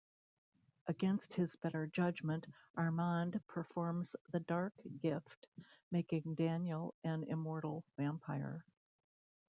Against his better judgment, Armand performs the Dark Gift, making Daniel an immortal vampire.